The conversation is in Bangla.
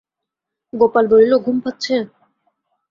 গোপাল বলিল, ঘুম পাচ্ছে?